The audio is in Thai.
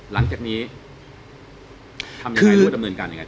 หลังจากนี้ทำยังไง